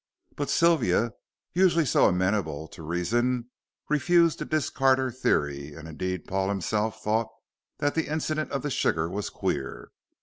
But Sylvia, usually so amenable to reason, refused to discard her theory, and indeed Paul himself thought that the incident of the sugar was queer.